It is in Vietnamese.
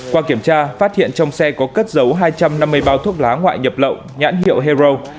qua kiểm tra phát hiện trong xe có cất dấu hai trăm năm mươi bao thuốc lá ngoại nhập lậu nhãn hiệu hero